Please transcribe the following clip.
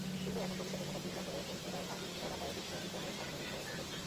কিন্তু এখন ভবিষ্যতের কথা চিন্তা করে ফৌজদারহাট এলাকায় বিশ্ববিদ্যালয় স্থাপনের বিষয়ে এগোচ্ছি।